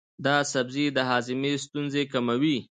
دا سبزی د هاضمې ستونزې کموي.